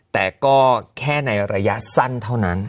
แต่ก็แค่ในระยะสั้นเท่านั้น